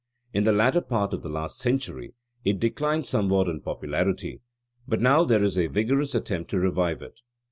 In the latter part of the last century it declined somewhat in popularity; but now there is a vigorous attempt to revive it.